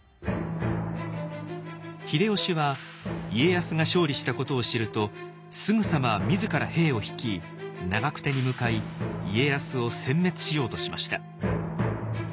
秀吉は家康が勝利したことを知るとすぐさま自ら兵を率い長久手に向かい家康をせん滅しようとしました。